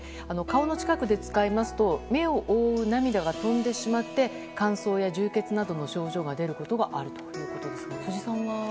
顔の近くで使いますと目を覆う涙が飛んでしまって乾燥や充血などの症状が出ることがあるというですが辻さんは？